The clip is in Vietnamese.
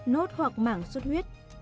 nốt hoặc mảng suốt huyết